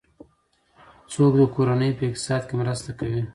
څوک د کورنۍ په اقتصاد کې مرسته کوي؟